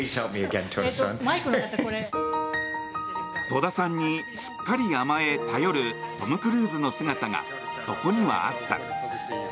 戸田さんにすっかり甘え頼るトム・クルーズの姿がそこにはあった。